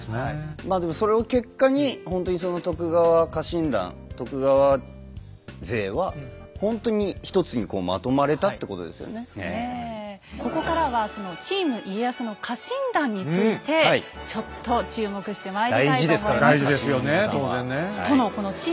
まあでもそれを結果にここからはそのチーム家康の家臣団についてちょっと注目してまいりたいと思います。